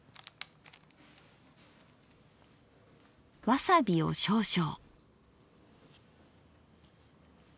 わさびを少々。